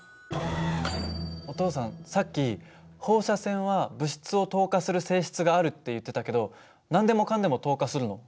お父さんさっき放射線は物質を透過する性質があるって言ってたけど何でもかんでも透過するの？